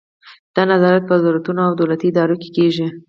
دا نظارت په وزارتونو او دولتي ادارو کې کیږي.